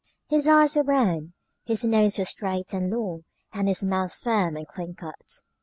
His eyes were brown, his nose was straight and long, and his mouth firm and clean cut.